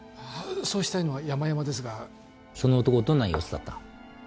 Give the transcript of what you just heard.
そうしたいのはやまやまですがその男どんな様子だった？